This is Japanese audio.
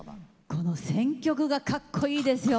この選曲がかっこいいですよ。